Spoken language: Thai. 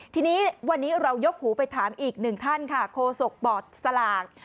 ทีนี้วันนี้เรายกหูไปถามอีกหนึ่งท่านค่ะโคศกบอร์ดสลาก